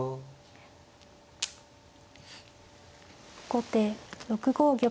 後手６五玉。